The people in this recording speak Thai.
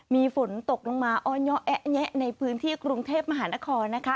มีฝนตกลงมาอ้อนเยาะแอะแยะในพื้นที่กรุงเทพมหานครนะคะ